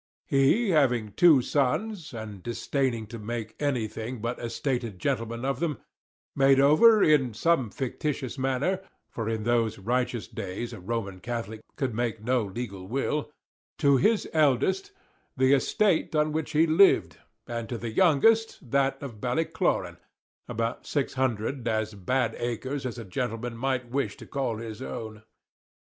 He having two sons, and disdaining to make anything but estated gentlemen of them, made over in some fictitious manner (for in those righteous days a Roman Catholic could make no legal will) to his eldest, the estate on which he lived, and to the youngest, that of Ballycloran about six hundred as bad acres as a gentleman might wish to call his own.